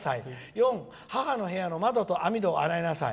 ４、母の部屋の窓と網戸を洗いなさい。